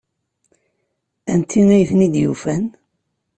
Anti ay tent-id-yufan?